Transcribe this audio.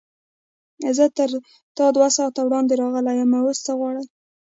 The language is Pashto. زه تر تا دوه ساعته وړاندې راغلی یم، اوس څه غواړې؟